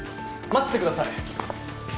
待ってください！